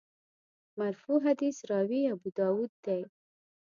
مرفوع حدیث راوي ابوداوود دی.